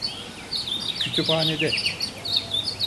Kütüphanede.